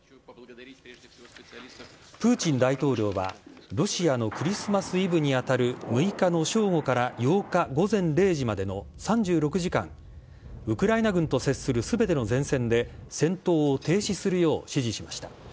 プーチン大統領はロシアのクリスマスイブに当たる６日の正午から８日午前０時までの３６時間ウクライナ軍と接する全ての前線で戦闘を停止するよう指示しました。